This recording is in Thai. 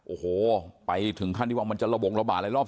โอ้โหไปถึงขั้นที่ว่ามันจะระบบมันระบาลในรอบ๒